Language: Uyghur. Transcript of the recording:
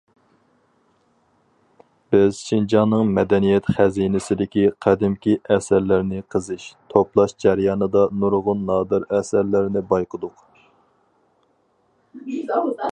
بىز شىنجاڭنىڭ مەدەنىيەت خەزىنىسىدىكى قەدىمكى ئەسەرلەرنى قېزىش، توپلاش جەريانىدا نۇرغۇن نادىر ئەسەرلەرنى بايقىدۇق.